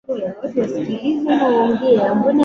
Jana na leo na kesho si muhimu